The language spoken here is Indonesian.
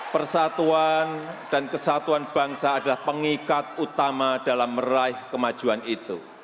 persatuan dan kesatuan bangsa adalah pengikat utama dalam meraih kemajuan itu